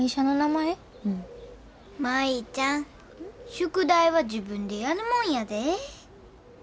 宿題は自分でやるもんやで。